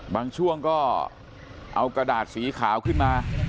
บางช่วงก็เอากระดาษสีขาวขึ้นมา